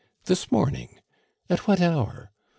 "This morning." "At what hour?"